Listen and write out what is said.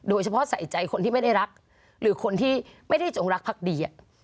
โดยเฉพาะใส่ใจคนที่ไม่ได้รักหรือคนที่ไม่ได้จงรักพักดี